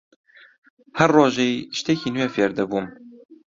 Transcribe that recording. هەر ڕۆژەی شتێکی نوێ فێر دەبووم